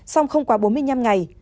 xong không quá bốn mươi năm ngày